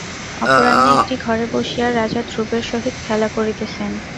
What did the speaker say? অপরাহ্নে একটি ঘরে বসিয়া রাজা ধ্রুবের সহিত খেলা করিতেছেন।